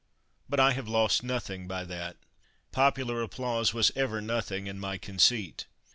But I have lost noth ing by that. Popular applause was ever noth ing in my concei